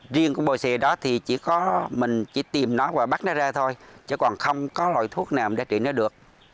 riêng con bồ xề đó thì mình chỉ tìm nó và bắt nó ra thôi chứ còn không có loại thuốc nào để trị nó được